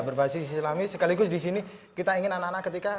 berbasis islami sekaligus disini kita ingin anak anak ketika